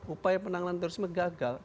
upaya penanganan tersebut gagal